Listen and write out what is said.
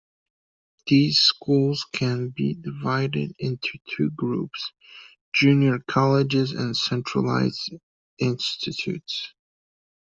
These schools can be divided into two groups: junior colleges and centralised institutes.